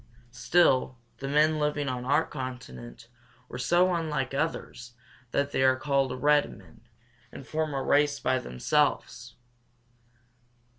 ] Still, the men living on our continent were so unlike others that they are called red men, and form a race by themselves.